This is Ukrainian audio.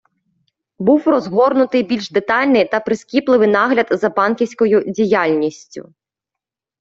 Був розгорнутий більш детальний та прискіпливий нагляд за банківською діяльністю.